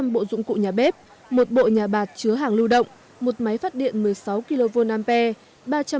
sáu trăm linh bộ dụng cụ nhà bếp một bộ nhà bạc chứa hàng lưu động một máy phát điện một mươi sáu kv ampere